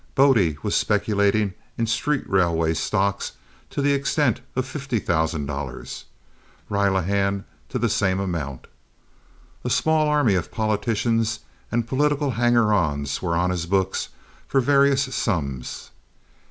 Bode was speculating in street railway stocks to the extent of fifty thousand dollars. Relihan to the same amount. A small army of politicians and political hangers on were on his books for various sums.